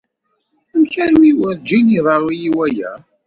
Amek armi ay werǧin iḍerru-iyi waya?